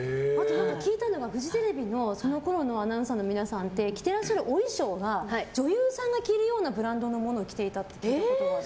聞いたのがフジテレビのそのころのアナウンサーの皆さんって着ていらっしゃるお衣装が女優さんが着るようなブランドのものを着ていたって聞いたことがある。